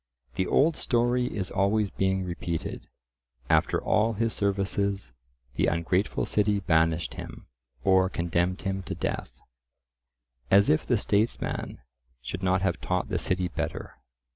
The old story is always being repeated—"after all his services, the ungrateful city banished him, or condemned him to death." As if the statesman should not have taught the city better!